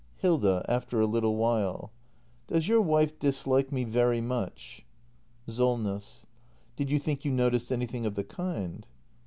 Hilda. [After a little while.] Does your wife dislike me very much? Solness. Did you think you noticed anything of the kind